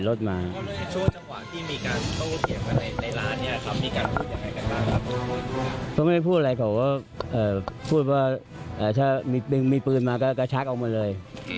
ผมไม่ได้พูดอะไรครับเพราะว่าถ้ามีปืนมันก็ชักจะเอาออกมาเลย